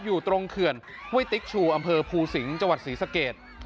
อยู่ตรงเคือนเว้ยติ๊กชูอำเภอภูศิงจศรีสะเกียรติ์